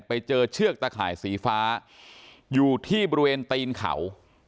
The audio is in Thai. ไปเจอเชือกตะข่ายสีฟ้าอยู่ที่บริเวณตีนเขา